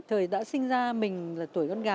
thời đã sinh ra mình là tuổi con gà